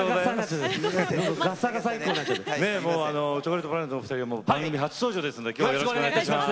チョコレートプラネットのお二人は番組初登場ですので今日はよろしくお願いいたします。